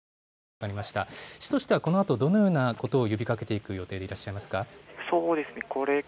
市としては、このあとどのようなことを呼びかけていく予定ですか？